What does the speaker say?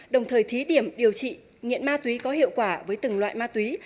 đồng thời thí điểm điều trị nghiện ma túy có hiệu quả với từng loại ma túy